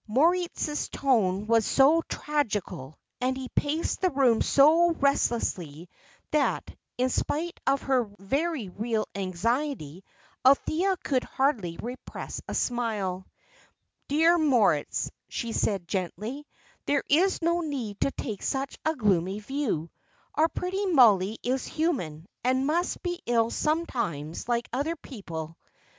Moritz's tone was so tragical, and he paced the room so restlessly, that, in spite of her very real anxiety, Althea could hardly repress a smile. "Dear Moritz," she said, gently, "there is no need to take such a gloomy view. Our pretty Mollie is human, and must be ill sometimes like other people.